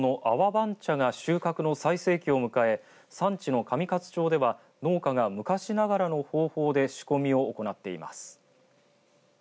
晩茶が収穫の最盛期を迎え産地の上勝町では農家が昔ながらの方法で仕込みを行っています。